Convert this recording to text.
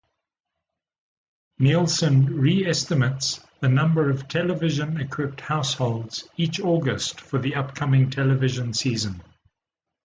Nielsen re-estimates the number of television-equipped households each August for the upcoming television season.